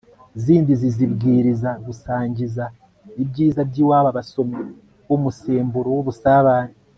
zindi zizibwiriza gusangiza ibyiza by'iwabo abasomyi b'umusemburo w'ubusabane